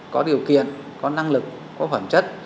có điều kiện có năng lực có phẩm chất